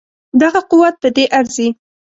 دغه قوت په دې ارزي.